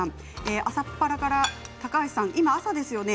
朝っぱらから高橋さん、今朝ですよね。